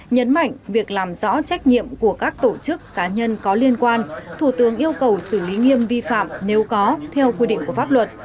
nhấn mạnh việc làm rõ trách nhiệm của các tổ chức cá nhân có liên quan thủ tướng yêu cầu xử lý nghiêm vi phạm nếu có theo quy định của pháp luật